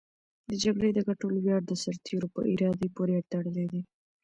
د جګړې د ګټلو ویاړ د سرتېرو په اراده پورې تړلی دی.